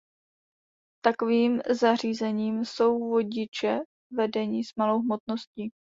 Takovým zařízením jsou vodiče vedení s malou hmotností.